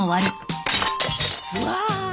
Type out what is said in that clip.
うわ。